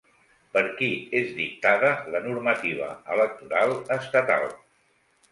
Per qui és dictada la normativa electoral estatal?